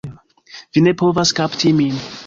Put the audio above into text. Vi ne povas kapti min!